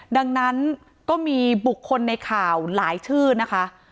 ดังนั้นก็มีบุคคลในข่าวหลายชื่อนะคะ